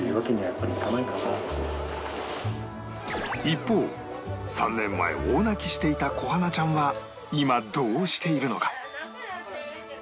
一方３年前大泣きしていた小花ちゃんは今どうしているのか？